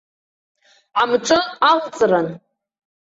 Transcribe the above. Амҿы алҵрын.